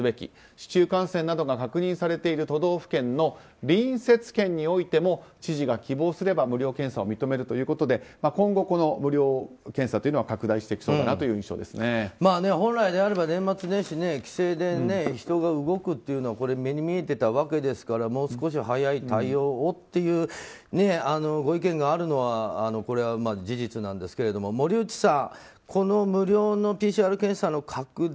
市中感染などが確認されている都道府県の隣接県においても知事が希望すれば無料検査を認めるということで今後、この無料検査というのは拡大していきそうだなという本来であれば、年末年始帰省で人が動くというのは目に見えていたわけですからもう少し早い対応をというご意見があるのはこれは事実なんですけれども森内さんこの無料のＰＣＲ検査の拡大